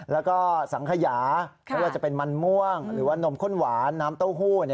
แล้วก็สังขยาไม่ว่าจะเป็นมันม่วงหรือว่านมข้นหวานน้ำเต้าหู้